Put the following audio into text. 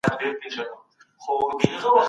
د ټولنيزو ستونزو د حل لپاره سياست وکاروی.